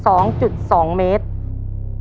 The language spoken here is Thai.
ข้อมูลใดของอนุสวรีพระยาสุรินทร์ภักดีไม่ถูกต้อง